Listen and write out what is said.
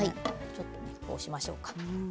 ちょっとこうしましょうか。